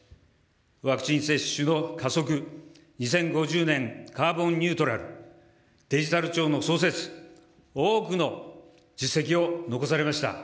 ワクチン接種の加速、２０５０年カーボンニュートラル、デジタル庁の創設、多くの実績を残されました。